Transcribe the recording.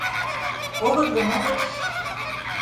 Огыт гын, огыт.